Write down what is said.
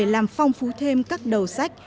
làm phong phú thêm các đầu sách